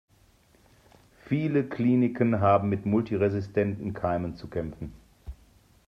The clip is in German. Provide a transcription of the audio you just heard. Viele Kliniken haben mit multiresistenten Keimen zu kämpfen.